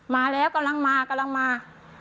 มาแล้วกำลังมา